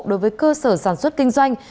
đối với cơ sở sản xuất kinh doanh